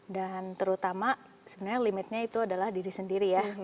dan terutama sebenarnya limitnya itu adalah diri sendiri ya